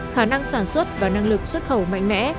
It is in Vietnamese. khả năng sản xuất và năng lực xuất khẩu mạnh mẽ